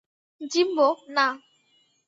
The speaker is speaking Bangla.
জিম্বো, না!